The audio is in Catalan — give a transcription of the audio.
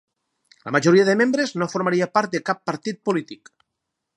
La majoria de membres no formaria part de cap partit polític.